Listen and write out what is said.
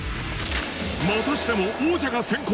またしても王者が先攻